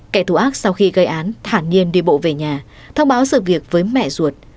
kẻ thù ác sau khi gây án thản nhiên đi bộ về nhà thông báo sự việc với mẹ ruột